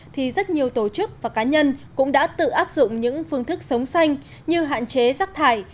thì rất nhiều tổ chức và cá nhân cũng đã tự áp dụng những phương thức sống xanh như hạn chế rác thải